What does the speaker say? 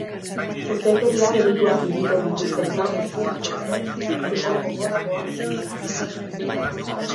Ustelkeria delituak egiten dituzten kargu publikodunek zigor gogorragoak jasoko dituzte.